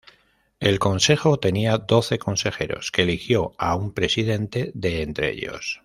El Consejo tenía doce consejeros, que eligió a un presidente de entre ellos.